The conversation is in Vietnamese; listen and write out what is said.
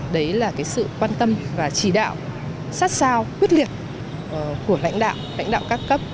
đấy là sự quan tâm và chỉ đạo sát sao quyết liệt của lãnh đạo lãnh đạo các cấp